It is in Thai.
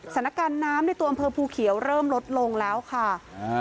สถานการณ์น้ำในตัวอำเภอภูเขียวเริ่มลดลงแล้วค่ะอ่า